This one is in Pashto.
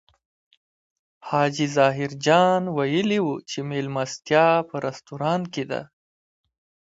حاجي ظاهر جان ویلي و چې مېلمستیا په رستورانت کې ده.